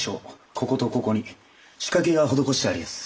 こことここに仕掛けが施してありやす。